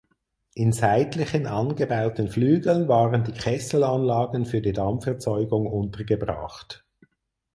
In seitlichen angebauten Flügeln waren die Kesselanlagen für die Dampferzeugung untergebracht.